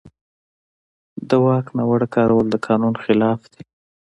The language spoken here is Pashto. د واک ناوړه کارول د قانون خلاف دي.